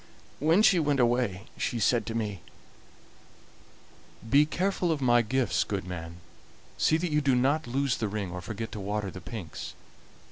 When she went away she said to me: "'Be careful of my gifts, good man; see that you do not lose the ring or forget to water the pinks.